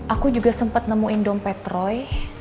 aku juga sempat nemuin dompet roy